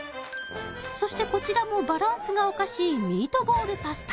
そしてこちらもバランスがおかしいミートボールパスタ